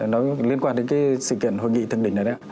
nó liên quan đến cái sự kiện hội nghị thượng đỉnh này đấy ạ